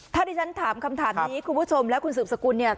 ถ้าที่ฉันถามคำถามนี้คุณผู้ชมและคุณสืบสกุลเนี่ย